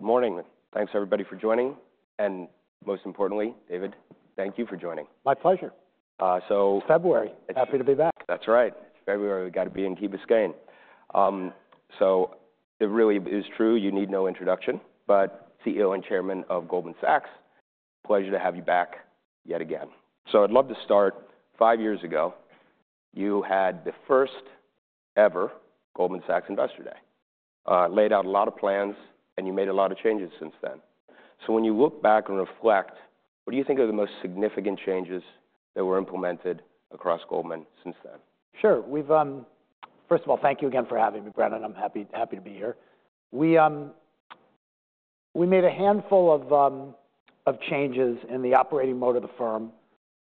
Good morning. Thanks, everybody, for joining. And most importantly, David, thank you for joining. My pleasure. So. February. Happy to be back. That's right. It's February. We've got to be in Key Biscayne. So it really is true. You need no introduction. But CEO and Chairman of Goldman Sachs, pleasure to have you back yet again. So I'd love to start. Five years ago, you had the first-ever Goldman Sachs Investor Day. Laid out a lot of plans, and you made a lot of changes since then. So when you look back and reflect, what do you think are the most significant changes that were implemented across Goldman since then? Sure. First of all, thank you again for having me, Brennan. I'm happy to be here. We made a handful of changes in the operating mode of the firm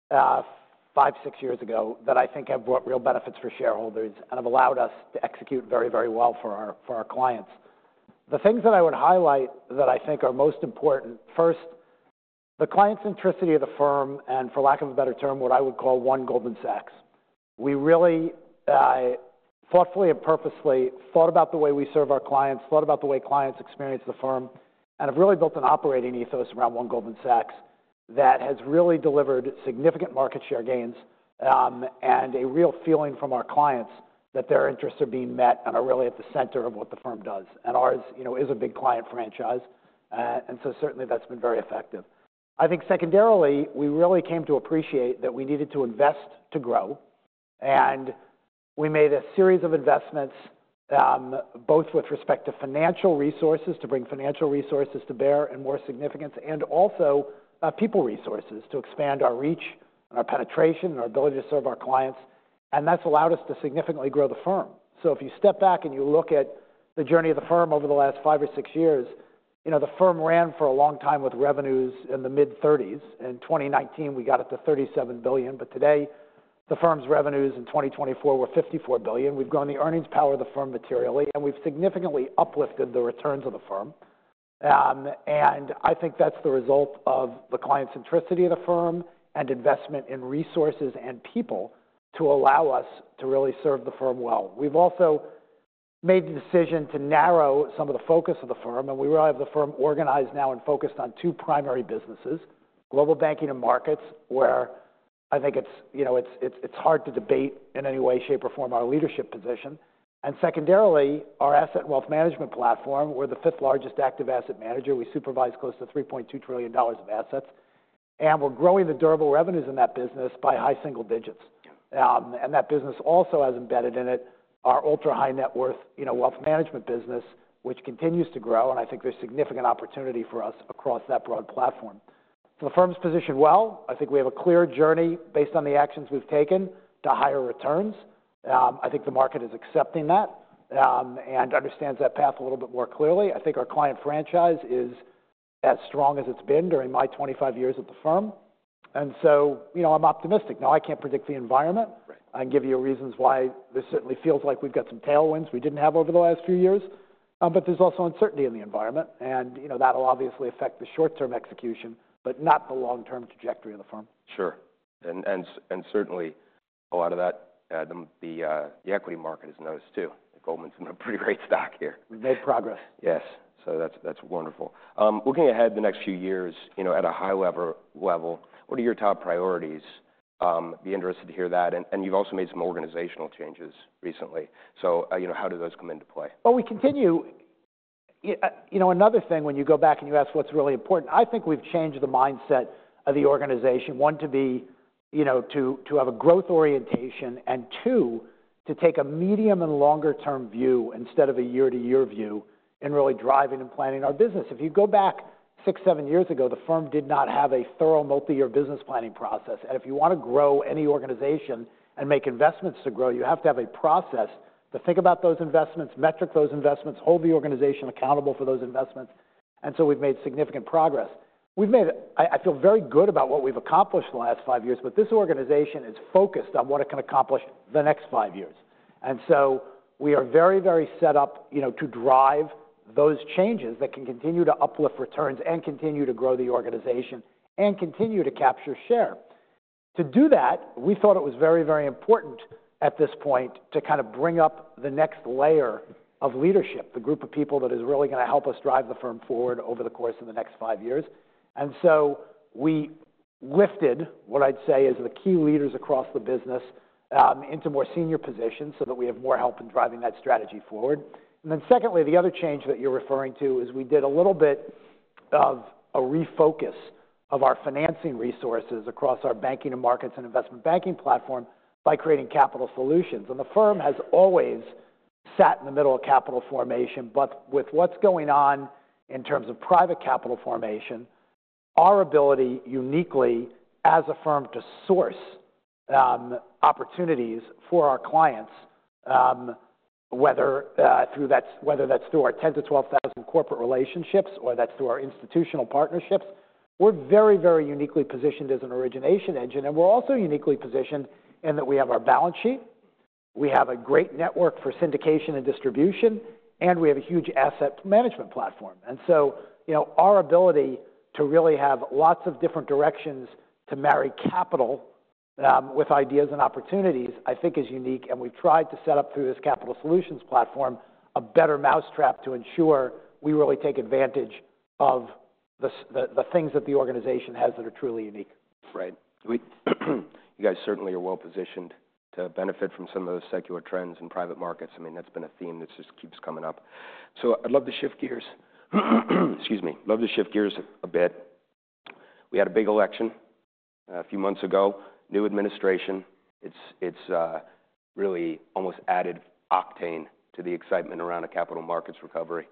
five, six years ago that I think have brought real benefits for shareholders and have allowed us to execute very, very well for our clients. The things that I would highlight that I think are most important, first, the client centricity of the firm and, for lack of a better term, what I would call One Goldman Sachs. We really thoughtfully and purposely thought about the way we serve our clients, thought about the way clients experience the firm, and have really built an operating ethos around One Goldman Sachs that has really delivered significant market share gains and a real feeling from our clients that their interests are being met and are really at the center of what the firm does. And ours is a big client franchise. And so certainly, that's been very effective. I think secondarily, we really came to appreciate that we needed to invest to grow. And we made a series of investments, both with respect to financial resources to bring financial resources to bear and more significance, and also people resources to expand our reach and our penetration and our ability to serve our clients. And that's allowed us to significantly grow the firm. So if you step back and you look at the journey of the firm over the last five or six years, the firm ran for a long time with revenues in the mid-30s. In 2019, we got it to $37 billion. But today, the firm's revenues in 2024 were $54 billion. We've grown the earnings power of the firm materially, and we've significantly uplifted the returns of the firm. And I think that's the result of the client centricity of the firm and investment in resources and people to allow us to really serve the firm well. We've also made the decision to narrow some of the focus of the firm, and we really have the firm organized now and focused on two primary businesses: Global Banking and Markets, where I think it's hard to debate in any way, shape, or form our leadership position. And secondarily, our Asset and Wealth Management platform. We're the fifth largest active asset manager. We supervise close to $3.2 trillion of assets. And we're growing the durable revenues in that business by high single digits. And that business also has embedded in it our ultra-high net worth wealth management business, which continues to grow. And I think there's significant opportunity for us across that broad platform. So the firm's positioned well. I think we have a clear journey based on the actions we've taken to higher returns. I think the market is accepting that and understands that path a little bit more clearly. I think our client franchise is as strong as it's been during my 25 years at the firm. And so I'm optimistic. Now, I can't predict the environment. I can give you reasons why this certainly feels like we've got some tailwinds we didn't have over the last few years. But there's also uncertainty in the environment. And that will obviously affect the short-term execution, but not the long-term trajectory of the firm. Sure. Certainly, a lot of that, and, um, the equity market has noticed too. Goldman's been a pretty great stock here. We've made progress. Yes. So that's wonderful. Looking ahead to the next few years at a high level, what are your top priorities? I'd be interested to hear that. And you've also made some organizational changes recently. So how do those come into play? Well, we continue. Another thing, when you go back and you ask what's really important, I think we've changed the mindset of the organization, one, to have a growth orientation, and two, to take a medium and longer-term view instead of a year-to-year view in really driving and planning our business. If you go back six, seven years ago, the firm did not have a thorough multi-year business planning process. And if you want to grow any organization and make investments to grow, you have to have a process to think about those investments, metric those investments, hold the organization accountable for those investments. And so we've made significant progress. I feel very good about what we've accomplished in the last five years. But this organization is focused on what it can accomplish the next five years. And so we are very, very set up to drive those changes that can continue to uplift returns and continue to grow the organization and continue to capture share. To do that, we thought it was very, very important at this point to kind of bring up the next layer of leadership, the group of people that is really going to help us drive the firm forward over the course of the next five years. And so we lifted what I'd say is the key leaders across the business into more senior positions so that we have more help in driving that strategy forward. And then secondly, the other change that you're referring to is we did a little bit of a refocus of our financing resources across our banking and markets and investment banking platform by creating Capital Solutions. And the firm has always sat in the middle of capital formation. But with what's going on in terms of private capital formation, our ability uniquely as a firm to source opportunities for our clients, whether that's through our 10,000-12,000 corporate relationships or that's through our institutional partnerships, we're very, very uniquely positioned as an origination engine. And we're also uniquely positioned in that we have our balance sheet. We have a great network for syndication and distribution. And we have a huge asset management platform. And so our ability to really have lots of different directions to marry capital with ideas and opportunities, I think, is unique. And we've tried to set up through this Capital Solutions platform a better mousetrap to ensure we really take advantage of the things that the organization has that are truly unique. Right. You guys certainly are well positioned to benefit from some of those secular trends in private markets. I mean, that's been a theme that just keeps coming up. So I'd love to shift gears. Excuse me. I'd love to shift gears a bit. We had a big election a few months ago, new administration. It's really almost added octane to the excitement around a capital markets recovery.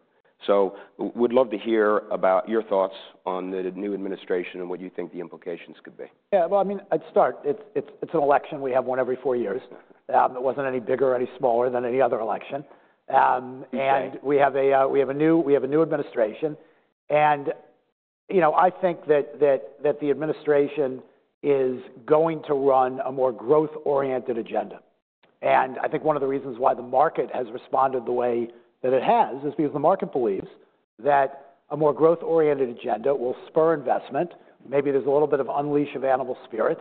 So we'd love to hear about your thoughts on the new administration and what you think the implications could be. Yeah. Well, I mean, I'd start. It's an election. We have one every four years. It wasn't any bigger or any smaller than any other election. And we have a new administration. And I think that the administration is going to run a more growth-oriented agenda. And I think one of the reasons why the market has responded the way that it has is because the market believes that a more growth-oriented agenda will spur investment. Maybe there's a little bit of unleash of animal spirits,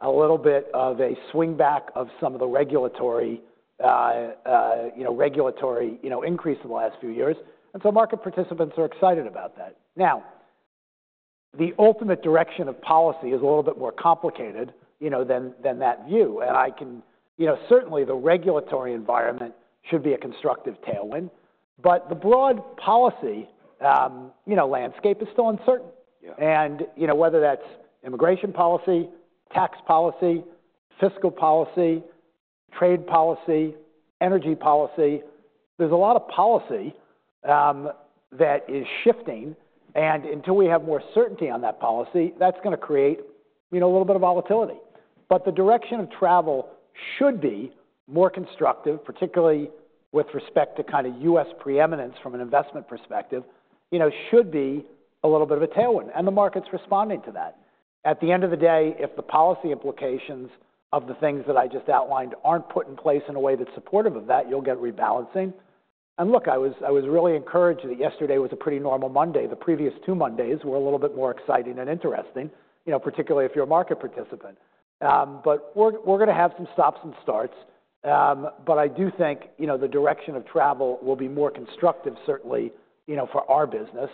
a little bit of a swing back of some of the regulatory increase in the last few years. And so market participants are excited about that. Now, the ultimate direction of policy is a little bit more complicated than that view. And certainly, the regulatory environment should be a constructive tailwind. But the broad policy landscape is still uncertain. And whether that's immigration policy, tax policy, fiscal policy, trade policy, energy policy, there's a lot of policy that is shifting. And until we have more certainty on that policy, that's going to create a little bit of volatility. But the direction of travel should be more constructive, particularly with respect to kind of U.S. preeminence from an investment perspective, should be a little bit of a tailwind. And the market's responding to that. At the end of the day, if the policy implications of the things that I just outlined aren't put in place in a way that's supportive of that, you'll get rebalancing. And look, I was really encouraged that yesterday was a pretty normal Monday. The previous two Mondays were a little bit more exciting and interesting, particularly if you're a market participant. But we're going to have some stops and starts. But I do think the direction of travel will be more constructive, certainly, for our business.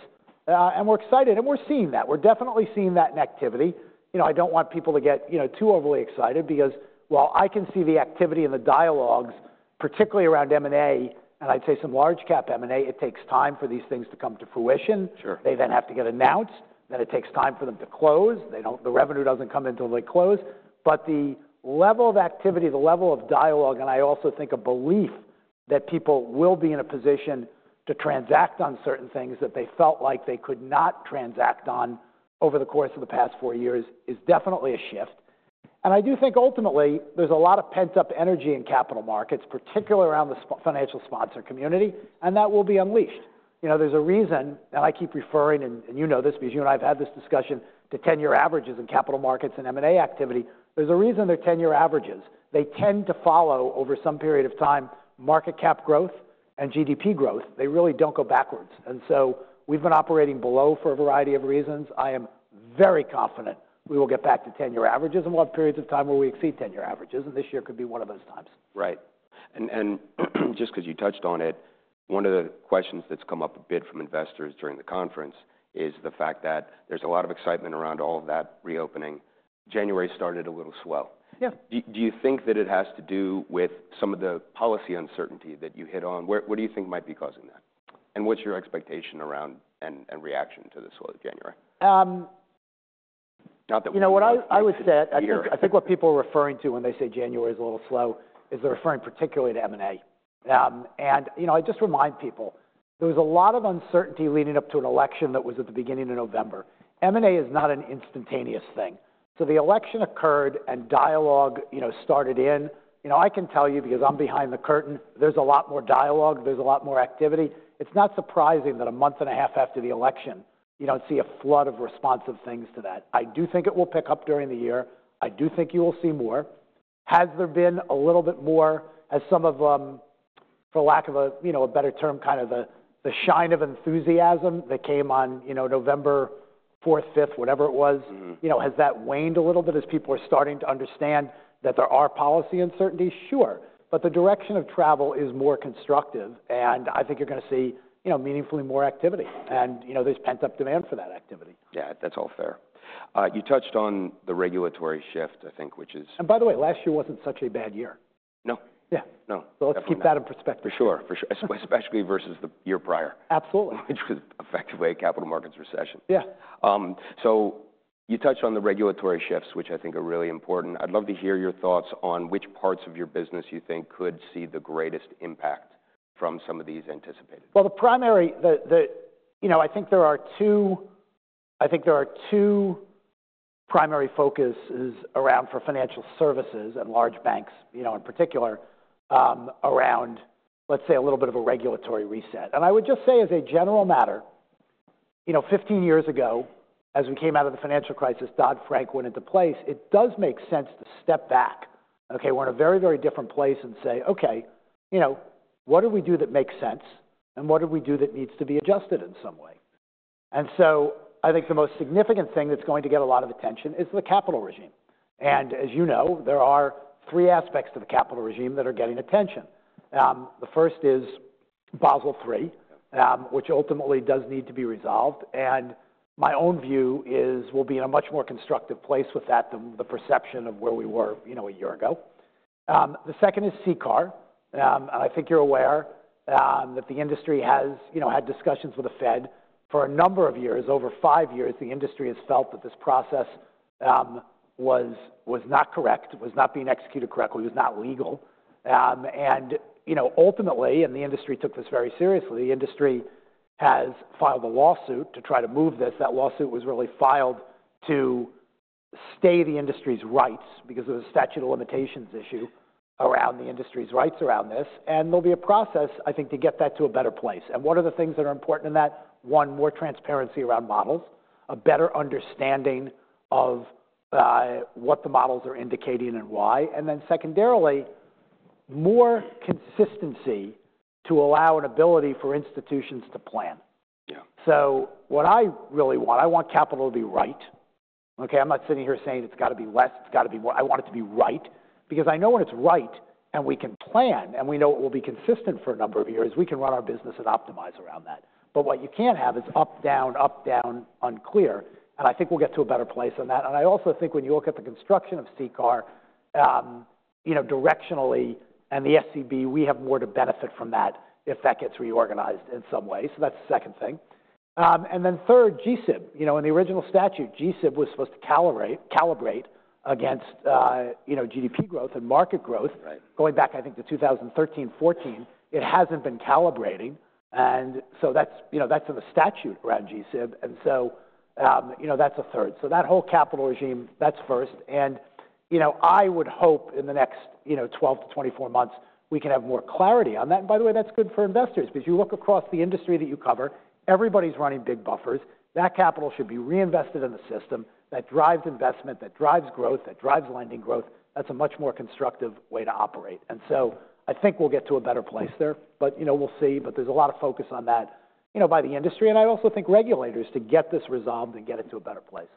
And we're excited. And we're seeing that. We're definitely seeing that in activity. I don't want people to get too overly excited because while I can see the activity and the dialogues, particularly around M&A, and I'd say some large-cap M&A, it takes time for these things to come to fruition. They then have to get announced. Then it takes time for them to close. The revenue doesn't come in until they close. But the level of activity, the level of dialogue, and I also think a belief that people will be in a position to transact on certain things that they felt like they could not transact on over the course of the past four years is definitely a shift. And I do think ultimately, there's a lot of pent-up energy in capital markets, particularly around the financial sponsor community. And that will be unleashed. There's a reason, and I keep referring, and you know this because you and I have had this discussion, to 10-year averages in capital markets and M&A activity. There's a reason they're 10-year averages. They tend to follow, over some period of time, market cap growth and GDP growth. They really don't go backwards. And so we've been operating below for a variety of reasons. I am very confident we will get back to 10-year averages. And we'll have periods of time where we exceed 10-year averages. And this year could be one of those times. Right, and just because you touched on it, one of the questions that's come up a bit from investors during the conference is the fact that there's a lot of excitement around all of that reopening. January started a little slow. Do you think that it has to do with some of the policy uncertainty that you hit on? What do you think might be causing that? And what's your expectation around and reaction to the slow January? You know what I would say. I think what people are referring to when they say January is a little slow is they're referring particularly to M&A. And I just remind people there was a lot of uncertainty leading up to an election that was at the beginning of November. M&A is not an instantaneous thing. So the election occurred and dialogue started in. I can tell you because I'm behind the curtain, there's a lot more dialogue. There's a lot more activity. It's not surprising that a month and a half after the election, you don't see a flood of responsive things to that. I do think it will pick up during the year. I do think you will see more. Has there been a little bit more as some of, for lack of a better term, kind of the shine of enthusiasm that came on November 4th, 5th, whatever it was, has that waned a little bit as people are starting to understand that there are policy uncertainties? Sure. But the direction of travel is more constructive. And I think you're going to see meaningfully more activity. And there's pent-up demand for that activity. Yeah. That's all fair. You touched on the regulatory shift, I think, which is. By the way, last year wasn't such a bad year. No? Yeah. So let's keep that in perspective. For sure. For sure. Especially versus the year prior. Absolutely. Which was effectively a capital markets recession. Yeah. So you touched on the regulatory shifts, which I think are really important. I'd love to hear your thoughts on which parts of your business you think could see the greatest impact from some of these anticipated. The primary, I think there are two, I think there are two primary focuses around for financial services and large banks in particular around, let's say, a little bit of a regulatory reset. I would just say as a general matter, 15 years ago, as we came out of the financial crisis, Dodd-Frank went into place. It does make sense to step back. Okay, we're in a very, very different place and say, okay, what do we do that makes sense? What do we do that needs to be adjusted in some way? I think the most significant thing that's going to get a lot of attention is the capital regime. As you know, there are three aspects to the capital regime that are getting attention. The first is Basel III, which ultimately does need to be resolved. And my own view is we'll be in a much more constructive place with that than the perception of where we were a year ago. The second is CCAR. And I think you're aware that the industry has had discussions with the Fed for a number of years. Over five years, the industry has felt that this process was not correct, was not being executed correctly, was not legal. And ultimately, and the industry took this very seriously, the industry has filed a lawsuit to try to move this. That lawsuit was really filed to stay the industry's rights because there was a statute of limitations issue around the industry's rights around this. And there'll be a process, I think, to get that to a better place. And what are the things that are important in that? One, more transparency around models, a better understanding of what the models are indicating and why. And then secondarily, more consistency to allow an ability for institutions to plan. So what I really want, I want capital to be right. Okay, I'm not sitting here saying it's got to be less. It's got to be more. I want it to be right. Because I know when it's right and we can plan and we know it will be consistent for a number of years, we can run our business and optimize around that. But what you can't have is up, down, up, down, unclear. And I think we'll get to a better place on that. And I also think when you look at the construction of CCAR directionally and the SCB, we have more to benefit from that if that gets reorganized in some way. So that's the second thing. And then third, GSIB. In the original statute, GSIB was supposed to calibrate against GDP growth and market growth going back, I think, to 2013, 2014. It hasn't been calibrating. And so that's in the statute around GSIB. And so that's a third. So that whole capital regime, that's first. And I would hope in the next 12 to 24 months, we can have more clarity on that. And by the way, that's good for investors. Because you look across the industry that you cover, everybody's running big buffers. That capital should be reinvested in the system that drives investment, that drives growth, that drives lending growth. That's a much more constructive way to operate. And so I think we'll get to a better place there. But we'll see. But there's a lot of focus on that by the industry. And I also think regulators to get this resolved and get it to a better place.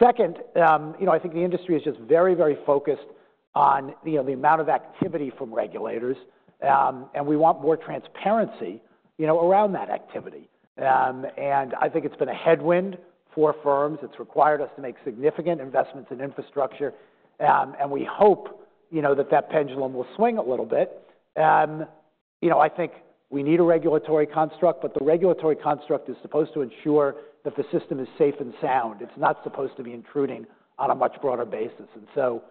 Second, I think the industry is just very, very focused on the amount of activity from regulators. And we want more transparency around that activity. And I think it's been a headwind for firms. It's required us to make significant investments in infrastructure. And we hope that that pendulum will swing a little bit. I think we need a regulatory construct. But the regulatory construct is supposed to ensure that the system is safe and sound. It's not supposed to be intruding on a much broader basis. And so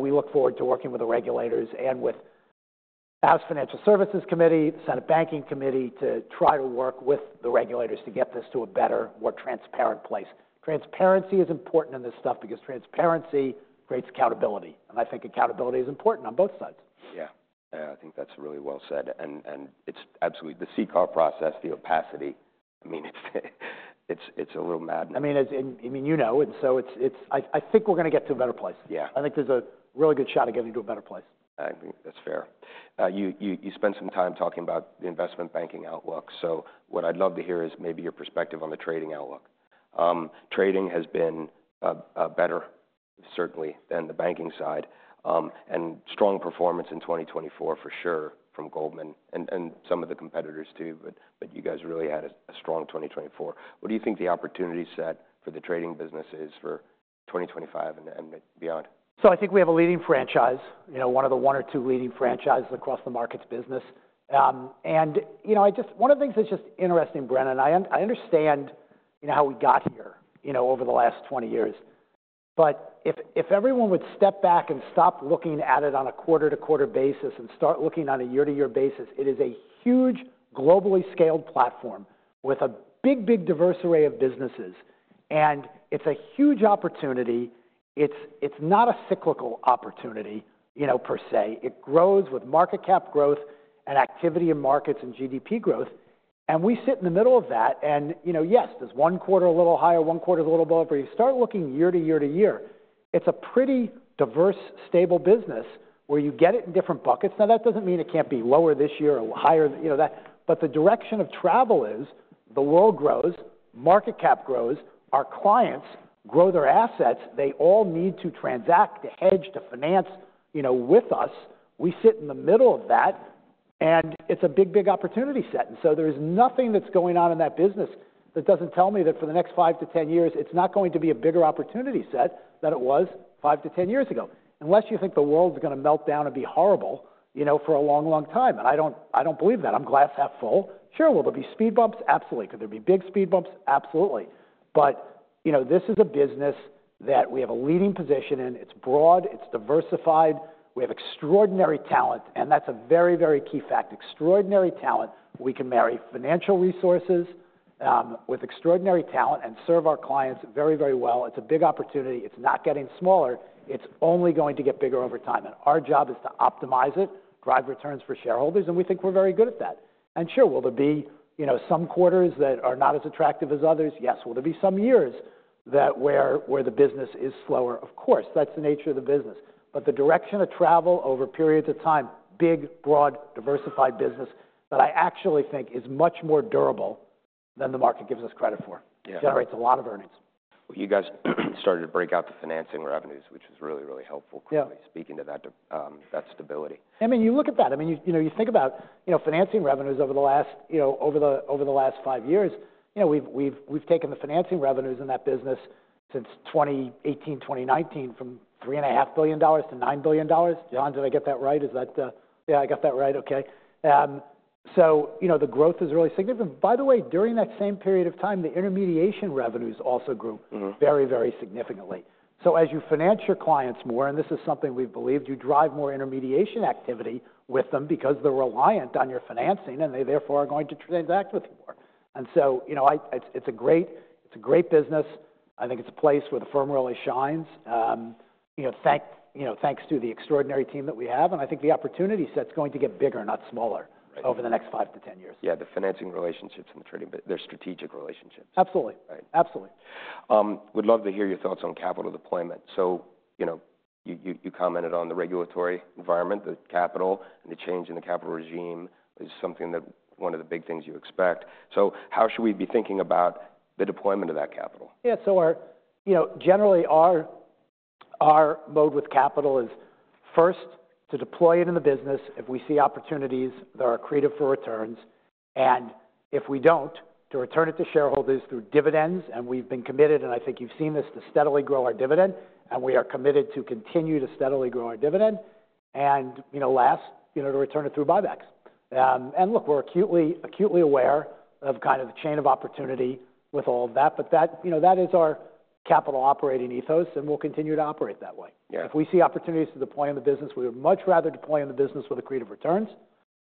we look forward to working with the regulators and with the House Financial Services Committee, the Senate Banking Committee to try to work with the regulators to get this to a better, more transparent place. Transparency is important in this stuff because transparency creates accountability. I think accountability is important on both sides. Yeah. Yeah, I think that's really well said. And the CCAR process, the opacity, I mean, it's a little maddening. I mean, you know, and so I think we're going to get to a better place. I think there's a really good shot of getting to a better place. I think that's fair. You spent some time talking about the investment banking outlook. So what I'd love to hear is maybe your perspective on the trading outlook. Trading has been better, certainly, than the banking side. And strong performance in 2024 for sure from Goldman and some of the competitors too. But you guys really had a strong 2024. What do you think the opportunity set for the trading business is for 2025 and beyond? So, I think we have a leading franchise, one of the one or two leading franchises across the markets business. And one of the things that's just interesting, Brennan, I understand how we got here over the last 20 years. But if everyone would step back and stop looking at it on a quarter-to-quarter basis and start looking on a year-to-year basis, it is a huge globally scaled platform with a big, big diverse array of businesses. And it's a huge opportunity. It's not a cyclical opportunity per se. It grows with market cap growth and activity in markets and GDP growth. And we sit in the middle of that. And yes, there's one quarter a little higher, one quarter a little lower. But if you start looking year to year to year, it's a pretty diverse, stable business where you get it in different buckets. Now, that doesn't mean it can't be lower this year or higher than that. But the direction of travel is the world grows, market cap grows, our clients grow their assets. They all need to transact, to hedge, to finance with us. We sit in the middle of that. And it's a big, big opportunity set. And so there is nothing that's going on in that business that doesn't tell me that for the next five to 10 years, it's not going to be a bigger opportunity set than it was five to 10 years ago, unless you think the world is going to melt down and be horrible for a long, long time. And I don't believe that. I'm glass half full. Sure, will there be speed bumps? Absolutely. Could there be big speed bumps? Absolutely. But this is a business that we have a leading position in. It's broad. It's diversified. We have extraordinary talent. And that's a very, very key fact. Extraordinary talent. We can marry financial resources with extraordinary talent and serve our clients very, very well. It's a big opportunity. It's not getting smaller. It's only going to get bigger over time. And our job is to optimize it, drive returns for shareholders. And we think we're very good at that. And sure, will there be some quarters that are not as attractive as others? Yes. Will there be some years where the business is slower? Of course. That's the nature of the business. But the direction of travel over periods of time, big, broad, diversified business that I actually think is much more durable than the market gives us credit for, generates a lot of earnings. You guys started to break out the financing revenues, which was really, really helpful quickly speaking to that stability. I mean, you look at that. I mean, you think about financing revenues over the last five years. We've taken the financing revenues in that business since 2018, 2019 from $3.5 billion to $9 billion. John, did I get that right? Is that, yeah? I got that right? Okay. So the growth is really significant. By the way, during that same period of time, the intermediation revenues also grew very, very significantly. So as you finance your clients more, and this is something we've believed, you drive more intermediation activity with them because they're reliant on your financing and they therefore are going to transact with you more. And so it's a great business. I think it's a place where the firm really shines, thanks to the extraordinary team that we have. I think the opportunity set's going to get bigger, not smaller, over the next 5-10 years. Yeah, the financing relationships and the trading, their strategic relationships. Absolutely. Absolutely. We'd love to hear your thoughts on capital deployment. So you commented on the regulatory environment, the capital, and the change in the capital regime is something that one of the big things you expect. So how should we be thinking about the deployment of that capital? Yeah, so generally, our mode with capital is first to deploy it in the business if we see opportunities that are attractive for returns, and if we don't, to return it to shareholders through dividends. And we've been committed, and I think you've seen this, to steadily grow our dividend, and we are committed to continue to steadily grow our dividend, and last, to return it through buybacks. And look, we're acutely aware of kind of the range of opportunities with all of that. But that is our capital operating ethos, and we'll continue to operate that way. If we see opportunities to deploy in the business, we would much rather deploy in the business with attractive returns.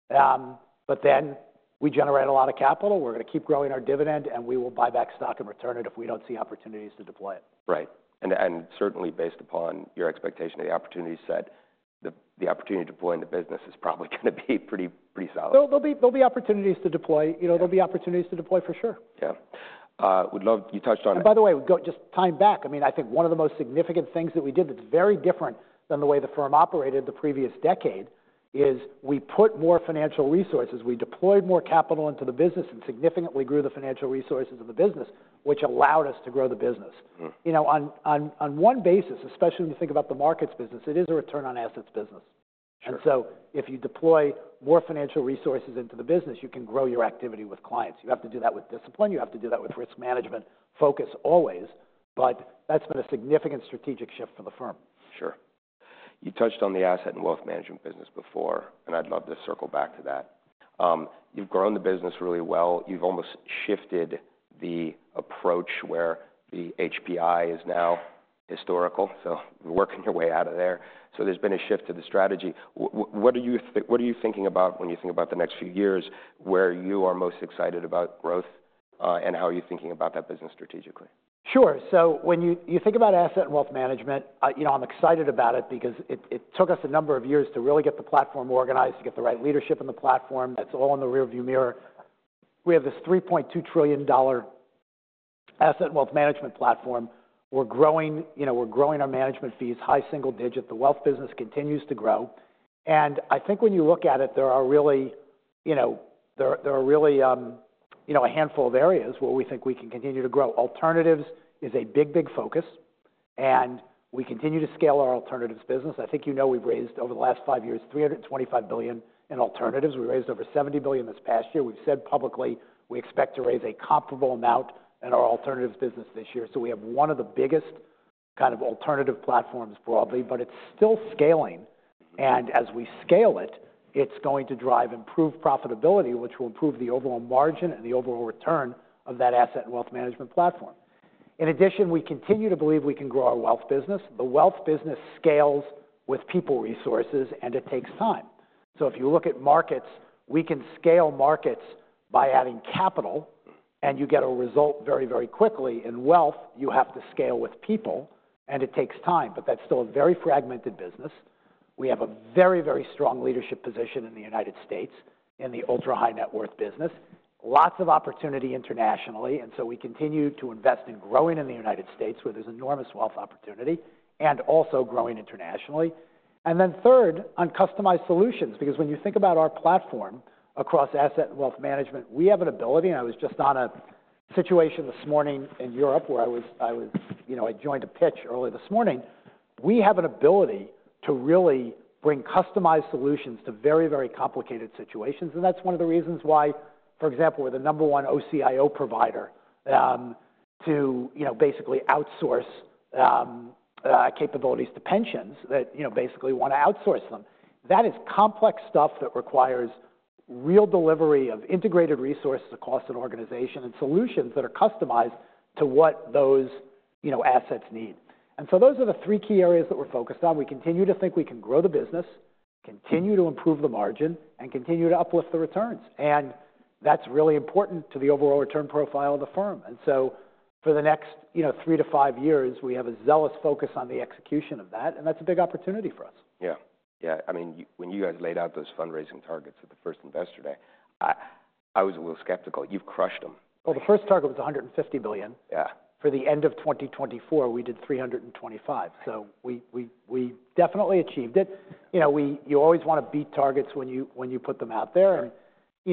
But then we generate a lot of capital. We're going to keep growing our dividend. We will buy back stock and return it if we don't see opportunities to deploy it. Right. And certainly, based upon your expectation of the opportunity set, the opportunity to deploy in the business is probably going to be pretty solid. There'll be opportunities to deploy. There'll be opportunities to deploy for sure. Yeah. You touched on. And by the way, just tying back, I mean, I think one of the most significant things that we did that's very different than the way the firm operated the previous decade is we put more financial resources. We deployed more capital into the business and significantly grew the financial resources of the business, which allowed us to grow the business. On one basis, especially when you think about the markets business, it is a return on assets business. And so if you deploy more financial resources into the business, you can grow your activity with clients. You have to do that with discipline. You have to do that with risk management focus always. But that's been a significant strategic shift for the firm. Sure. You touched on the Asset and Wealth Management business before. And I'd love to circle back to that. You've grown the business really well. You've almost shifted the approach where the HPI is now historical. So you're working your way out of there. So there's been a shift to the strategy. What are you thinking about when you think about the next few years where you are most excited about growth and how you're thinking about that business strategically? Sure. So when you think about Asset and Wealth Management, I'm excited about it because it took us a number of years to really get the platform organized, to get the right leadership in the platform. It's all in the rearview mirror. We have this $3.2 trillion Asset and Wealth Management platform. We're growing our management fees, high single digit. The wealth business continues to grow, and I think when you look at it, there are really a handful of areas where we think we can continue to grow. Alternatives is a big, big focus, and we continue to scale our alternatives business. I think you know we've raised over the last five years $325 billion in alternatives. We raised over $70 billion this past year. We've said publicly we expect to raise a comparable amount in our alternatives business this year. So we have one of the biggest kind of alternative platforms broadly. But it's still scaling. And as we scale it, it's going to drive improved profitability, which will improve the overall margin and the overall return of that Asset and Wealth Management platform. In addition, we continue to believe we can grow our wealth business. The wealth business scales with people resources. And it takes time. So if you look at markets, we can scale markets by adding capital. And you get a result very, very quickly. In wealth, you have to scale with people. And it takes time. But that's still a very fragmented business. We have a very, very strong leadership position in the United States in the ultra-high net worth business. Lots of opportunity internationally. And so we continue to invest in growing in the United States, where there's enormous wealth opportunity, and also growing internationally. And then third, on customized solutions. Because when you think about our platform across Asset and Wealth Management, we have an ability. And I was just on a situation this morning in Europe where I joined a pitch early this morning. We have an ability to really bring customized solutions to very, very complicated situations. And that's one of the reasons why, for example, we're the number one OCIO provider to basically outsource capabilities to pensions that basically want to outsource them. That is complex stuff that requires real delivery of integrated resources across an organization and solutions that are customized to what those assets need. And so those are the three key areas that we're focused on. We continue to think we can grow the business, continue to improve the margin, and continue to uplift the returns. And that's really important to the overall return profile of the firm. For the next three to five years, we have a zealous focus on the execution of that. That's a big opportunity for us. Yeah. Yeah. I mean, when you guys laid out those fundraising targets at the first investor day, I was a little skeptical. You've crushed them. The first target was $150 billion. For the end of 2024, we did $325. So we definitely achieved it. You always want to beat targets when you put them out there. And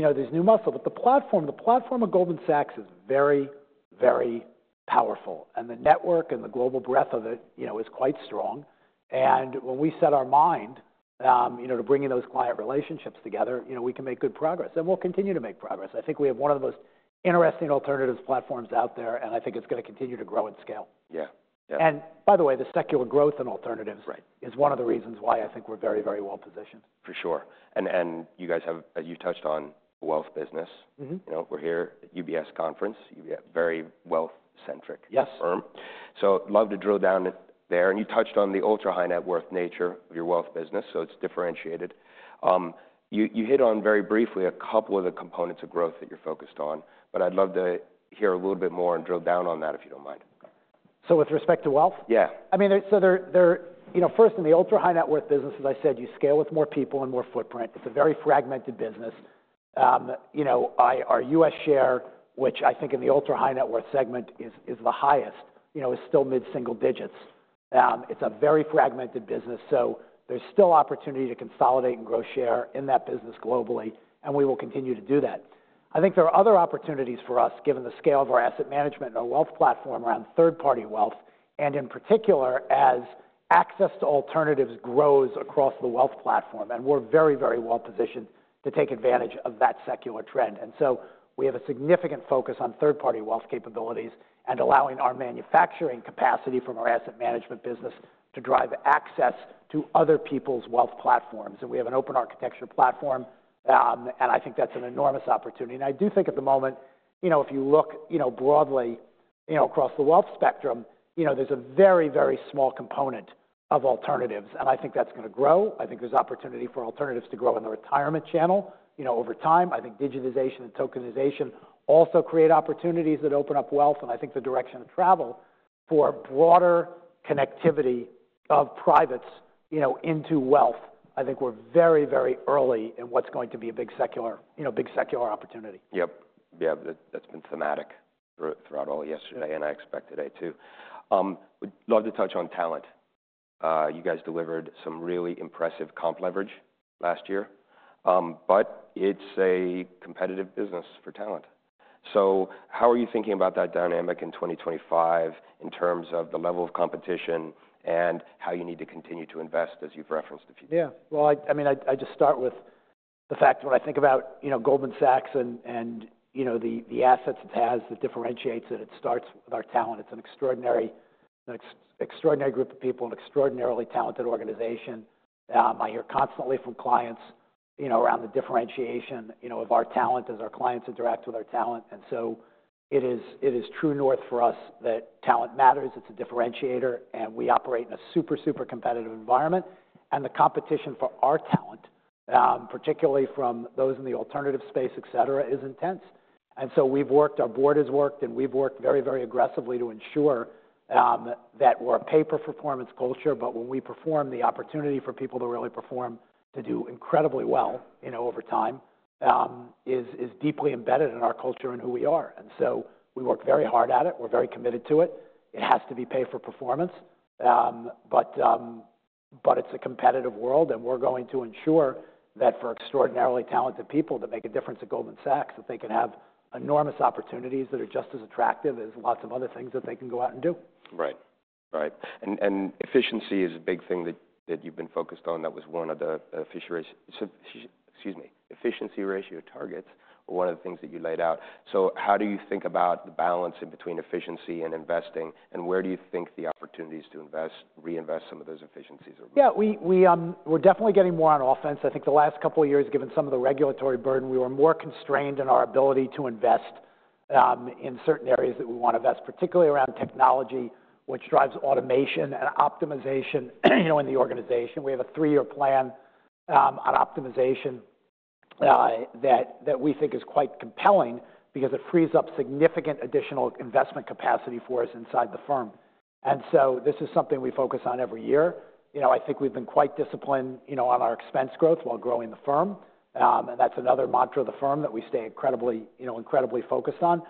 there's new muscle. But the platform, the platform of Goldman Sachs is very, very powerful. And the network and the global breadth of it is quite strong. And when we set our mind to bringing those client relationships together, we can make good progress. And we'll continue to make progress. I think we have one of the most interesting alternatives platforms out there. And I think it's going to continue to grow and scale. Yeah. Yeah. By the way, the secular growth in alternatives is one of the reasons why I think we're very, very well positioned. For sure. And you guys have, as you touched on, a wealth business. We're here at UBS Conference. You've got a very wealth-centric firm. So I'd love to drill down there. And you touched on the ultra-high net worth nature of your wealth business. So it's differentiated. You hit on very briefly a couple of the components of growth that you're focused on. But I'd love to hear a little bit more and drill down on that if you don't mind. So with respect to wealth? Yeah. I mean, so first, in the ultra-high net worth business, as I said, you scale with more people and more footprint. It's a very fragmented business. Our U.S. share, which I think in the ultra-high net worth segment is the highest, is still mid-single digits. It's a very fragmented business, so there's still opportunity to consolidate and grow share in that business globally, and we will continue to do that. I think there are other opportunities for us, given the scale of our asset management and our wealth platform around third-party wealth, and in particular, as access to alternatives grows across the wealth platform, and we're very, very well positioned to take advantage of that secular trend, and so we have a significant focus on third-party wealth capabilities and allowing our manufacturing capacity from our asset management business to drive access to other people's wealth platforms. We have an open architecture platform. I think that's an enormous opportunity. I do think at the moment, if you look broadly across the wealth spectrum, there's a very, very small component of alternatives. I think that's going to grow. There's opportunity for alternatives to grow in the retirement channel over time. Digitization and tokenization also create opportunities that open up wealth. The direction of travel for broader connectivity of privates into wealth means we're very, very early in what's going to be a big secular opportunity. Yep. Yeah. That's been thematic throughout all yesterday. And I expect today too. We'd love to touch on talent. You guys delivered some really impressive comp leverage last year. But it's a competitive business for talent. So how are you thinking about that dynamic in 2025 in terms of the level of competition and how you need to continue to invest as you've referenced the future? Yeah. Well, I mean, I just start with the fact that when I think about Goldman Sachs and the assets it has that differentiates it, it starts with our talent. It's an extraordinary group of people, an extraordinarily talented organization. I hear constantly from clients around the differentiation of our talent as our clients interact with our talent. And so it is true north for us that talent matters. It's a differentiator. And we operate in a super, super competitive environment. And the competition for our talent, particularly from those in the alternative space, etc., is intense. And so we've worked, our board has worked, and we've worked very, very aggressively to ensure that we're a pay-performance culture. But when we perform, the opportunity for people to really perform, to do incredibly well over time, is deeply embedded in our culture and who we are. And so we work very hard at it. We're very committed to it. It has to be pay-for-performance. But it's a competitive world. And we're going to ensure that for extraordinarily talented people that make a difference at Goldman Sachs, that they can have enormous opportunities that are just as attractive as lots of other things that they can go out and do. Right. Right. And efficiency is a big thing that you've been focused on. That was one of the efficiency ratio targets or one of the things that you laid out. So how do you think about the balance in between efficiency and investing? And where do you think the opportunities to reinvest some of those efficiencies are? Yeah. We're definitely getting more on offense. I think the last couple of years, given some of the regulatory burden, we were more constrained in our ability to invest in certain areas that we want to invest, particularly around technology, which drives automation and optimization in the organization. We have a three-year plan on optimization that we think is quite compelling because it frees up significant additional investment capacity for us inside the firm. And so this is something we focus on every year. I think we've been quite disciplined on our expense growth while growing the firm. And that's another mantra of the firm that we stay incredibly focused on.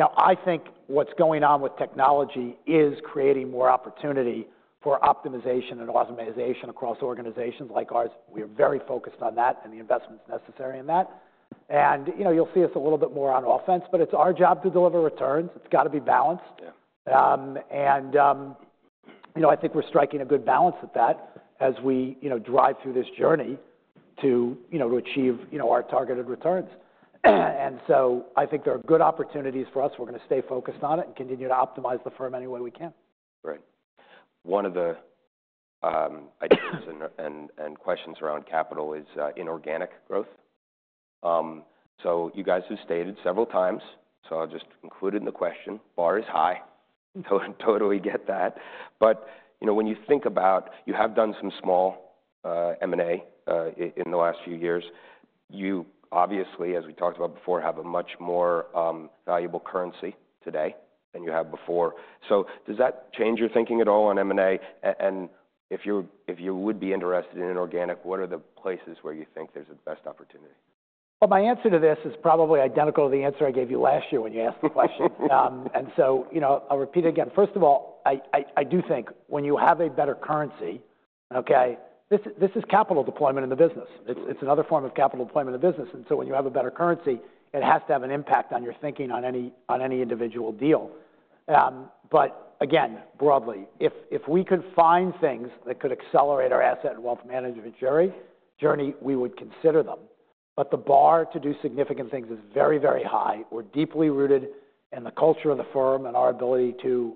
I think what's going on with technology is creating more opportunity for optimization and optimization across organizations like ours. We are very focused on that and the investments necessary in that. You'll see us a little bit more on offense. It's our job to deliver returns. It's got to be balanced. I think we're striking a good balance at that as we drive through this journey to achieve our targeted returns. I think there are good opportunities for us. We're going to stay focused on it and continue to optimize the firm any way we can. Right. One of the ideas and questions around capital is inorganic growth. So you guys have stated several times, so I'll just include it in the question, bar is high. Totally get that. But when you think about, you have done some small M&A in the last few years. You obviously, as we talked about before, have a much more valuable currency today than you have before. So does that change your thinking at all on M&A? And if you would be interested in inorganic, what are the places where you think there's the best opportunity? My answer to this is probably identical to the answer I gave you last year when you asked the question. I'll repeat it again. First of all, I do think when you have a better currency, okay, this is capital deployment in the business. It's another form of capital deployment in the business, so when you have a better currency, it has to have an impact on your thinking on any individual deal, but again, broadly, if we could find things that could accelerate our Asset and Wealth Management journey, we would consider them, but the bar to do significant things is very, very high. We're deeply rooted in the culture of the firm and our ability to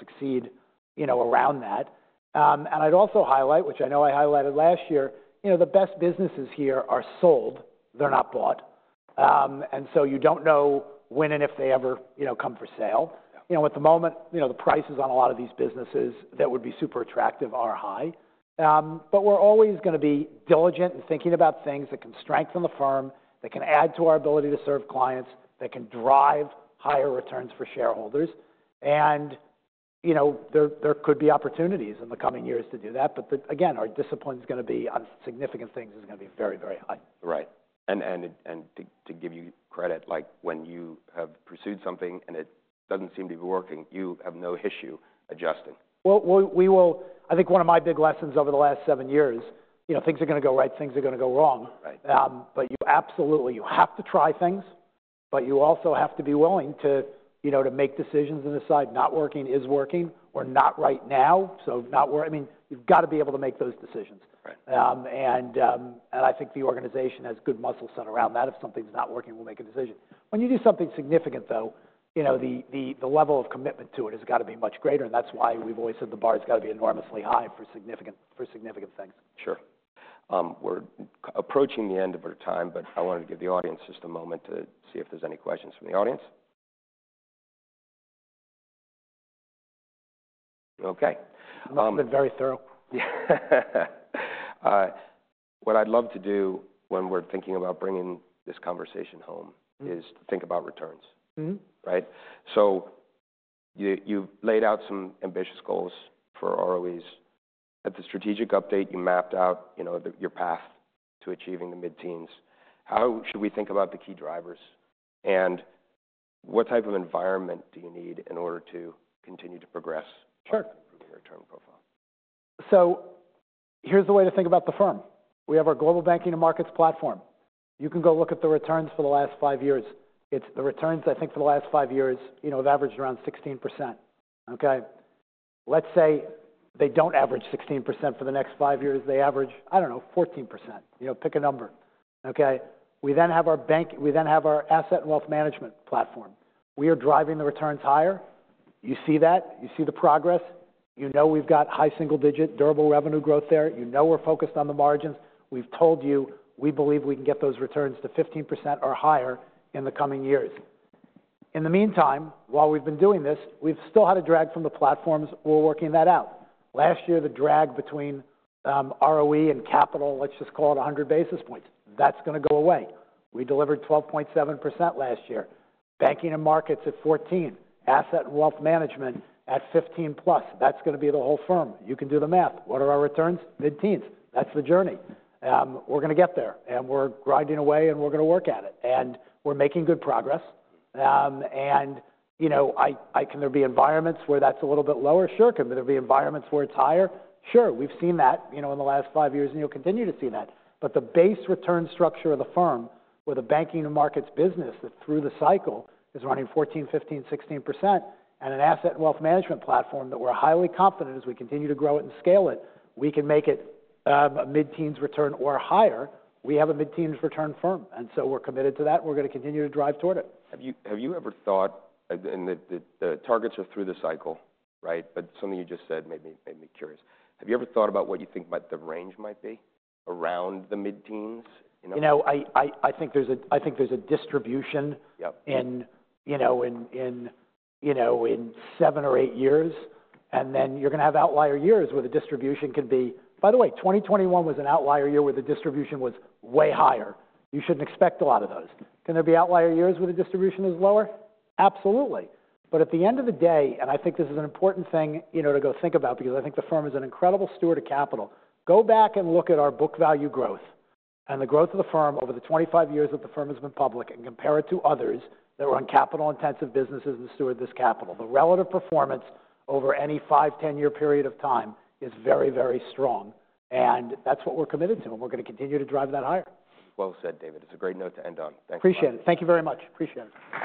succeed around that, and I'd also highlight, which I know I highlighted last year, the best businesses here are sold. They're not bought. You don't know when and if they ever come for sale. At the moment, the prices on a lot of these businesses that would be super attractive are high. We're always going to be diligent in thinking about things that can strengthen the firm, that can add to our ability to serve clients, that can drive higher returns for shareholders. There could be opportunities in the coming years to do that. Again, our discipline on significant things is going to be very, very high. Right. And to give you credit, when you have pursued something and it doesn't seem to be working, you have no issue adjusting. I think one of my big lessons over the last seven years, things are going to go right. Things are going to go wrong. But absolutely, you have to try things. But you also have to be willing to make decisions and decide not working is working or not right now. So I mean, you've got to be able to make those decisions. And I think the organization has good muscle set around that. If something's not working, we'll make a decision. When you do something significant, though, the level of commitment to it has got to be much greater. And that's why we've always said the bar has got to be enormously high for significant things. Sure. We're approaching the end of our time. But I wanted to give the audience just a moment to see if there's any questions from the audience. Okay. I've been very thorough. What I'd love to do when we're thinking about bringing this conversation home is to think about returns, right? So you've laid out some ambitious goals for ROEs. At the strategic update, you mapped out your path to achieving the mid-teens. How should we think about the key drivers, and what type of environment do you need in order to continue to progress and improve your return profile? So here's the way to think about the firm. We have our Global Banking and Markets platform. You can go look at the returns for the last five years. The returns, I think, for the last five years have averaged around 16%. Okay? Let's say they don't average 16% for the next five years. They average, I don't know, 14%. Pick a number. Okay? We then have our Asset and Wealth Management platform. We are driving the returns higher. You see that. You see the progress. You know we've got high single-digit durable revenue growth there. You know we're focused on the margins. We've told you we believe we can get those returns to 15% or higher in the coming years. In the meantime, while we've been doing this, we've still had a drag from the platforms. We're working that out. Last year, the drag between ROE and capital, let's just call it 100 basis points, that's going to go away. We delivered 12.7% last year. Banking and markets at 14, Asset and Wealth Management at 15-plus. That's going to be the whole firm. You can do the math. What are our returns? Mid-teens. That's the journey. We're going to get there. And we're grinding away. And we're going to work at it. And we're making good progress. And can there be environments where that's a little bit lower? Sure. Can there be environments where it's higher? Sure. We've seen that in the last five years. And you'll continue to see that. The base return structure of the firm with a banking and markets business that through the cycle is running 14%, 15%, 16% and an Asset and Wealth Management platform that we're highly confident as we continue to grow it and scale it, we can make it a mid-teens return or higher. We have a mid-teens return firm, and so we're committed to that. We're going to continue to drive toward it. Have you ever thought, and the targets are through the cycle, right? But something you just said made me curious. Have you ever thought about what you think the range might be around the mid-teens? I think there's a distribution in seven or eight years. And then you're going to have outlier years where the distribution can be, by the way, 2021 was an outlier year where the distribution was way higher. You shouldn't expect a lot of those. Can there be outlier years where the distribution is lower? Absolutely. But at the end of the day, and I think this is an important thing to go think about because I think the firm is an incredible steward of capital, go back and look at our book value growth and the growth of the firm over the 25 years that the firm has been public and compare it to others that were on capital-intensive businesses and steward this capital. The relative performance over any five, 10-year period of time is very, very strong. And that's what we're committed to. We're going to continue to drive that higher. Well said, David. It's a great note to end on. Thanks for. Appreciate it. Thank you very much. Appreciate it.